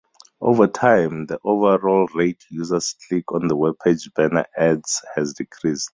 Over time the overall rate users click on webpage banner ads has decreased.